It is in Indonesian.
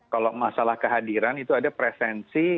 kalau masalah kehadiran itu ada presensi